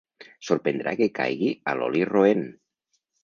Sorprendrà que caigui a l'oli roent.